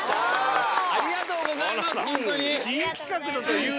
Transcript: ありがとうございますほんとに。